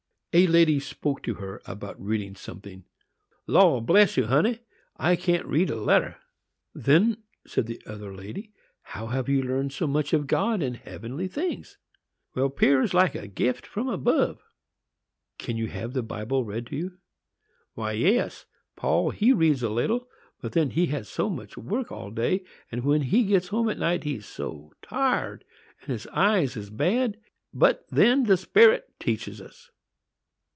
A lady spoke to her about reading something. "Law bless you, honey! I can't read a letter." "Then," said another lady, "how have you learned so much of God, and heavenly things?" "Well, 'pears like a gift from above." "Can you have the Bible read to you?" "Why, yes; Paul, he reads a little, but then he has so much work all day, and when he gets home at night he's so tired! and his eyes is bad. But then the Sperit teaches us."